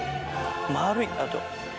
丸い、あと。